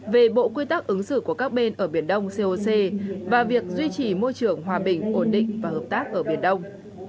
về bộ quy tắc ứng xử của các bên ở biển đông coc và việc duy trì môi trường hòa bình ổn định và hợp tác ở biển đông